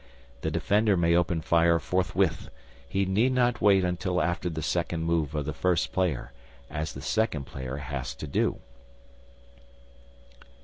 The defender may open fire forthwith; he need not wait until after the second move of the first player, as the second player has to do.